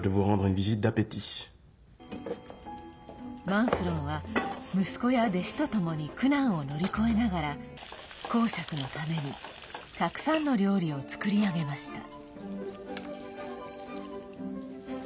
マンスロンは息子や弟子とともに苦難を乗り越えながら公爵のためにたくさんの料理を作り上げました。